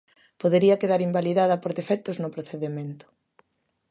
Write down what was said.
Podería quedar invalidada por defectos no procedemento.